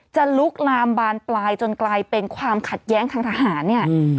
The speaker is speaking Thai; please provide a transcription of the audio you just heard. ลุกลามบานปลายจนกลายเป็นความขัดแย้งทางทหารเนี่ย